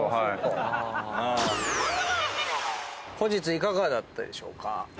本日いかがだったでしょうか？